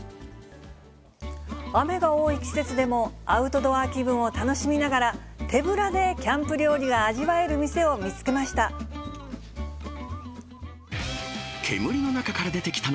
雨が多い季節でも、アウトドア気分を楽しみながら、手ぶらでキャンプ料理が味わえる店を見つけました。